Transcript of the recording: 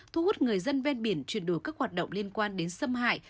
thu hút người dân ven biển chuyển đổi các hoạt động liên quan đến xâm hại